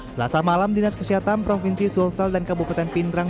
selasa malam dinas kesehatan provinsi sulsel dan kabupaten pindrang